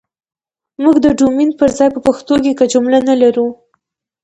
موږ ده ډومين پر ځاى په پښتو کې که جمله نه لرو